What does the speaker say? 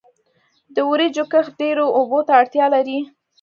د وریجو کښت ډیرو اوبو ته اړتیا لري.